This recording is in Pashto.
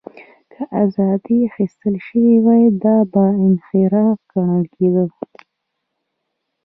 که ازادۍ اخیستل شوې وې، دا هم انحراف ګڼل کېده.